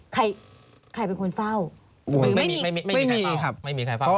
ใครใครเป็นคนเฝ้าไม่มีไม่มีไม่มีครับไม่มีใครเฝ้า